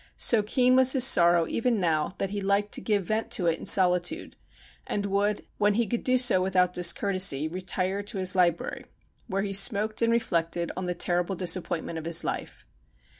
So keen was his sorrow even now that he liked to give vent to it in solitude, and would, when he could do so without discourtesy, retire to his library, where he smoked and reflected on the terrible disappointment of his life.